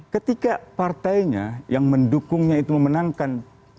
ketika partainya yang mendukungnya itu memenangkan